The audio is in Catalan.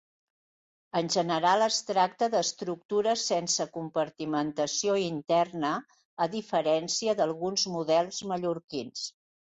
En general es tracta d’estructures sense compartimentació interna, a diferència d’alguns models mallorquins.